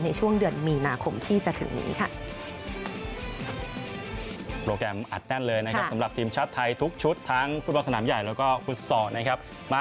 ในช่วงเดือนมีนาคมที่จะถึงนี้ค่ะ